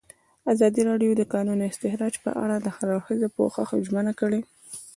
ازادي راډیو د د کانونو استخراج په اړه د هر اړخیز پوښښ ژمنه کړې.